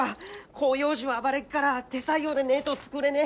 広葉樹は暴れっから手作業でねえど作れねえ。